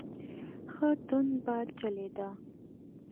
ښه تند باد چلیده.